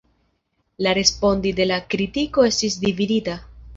La respondi de la kritiko estis dividita.